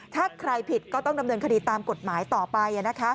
ถ้าใครผิดก็ต้องดำเนินคดีตามกฎหมายต่อไป